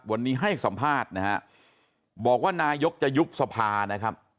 วันนี้ให้สัมภาษณ์นะฮะบอกว่านายกจะยุบสภานะครับ